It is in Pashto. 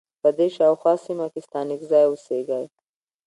په دې شا او خواه سیمه کې ستانکزی اوسیږی.